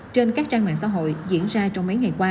trên các trang mạng xã hội diễn ra trong mấy ngày qua